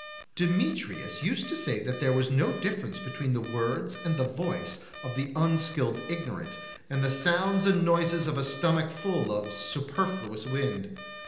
Demetrius used to say that there was no difference between the words and the voice of the unskilled ignorant and the sounds and noises of a stomach full of superfluous wind.